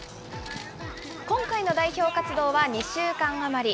今回の代表活動は２週間余り。